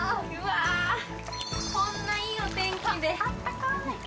こんないいお天気で。